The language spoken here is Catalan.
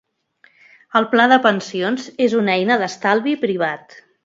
El pla de pensions és una eina d'estalvi privat.